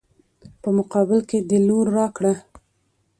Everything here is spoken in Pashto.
په مقابل کې د لور راکړه.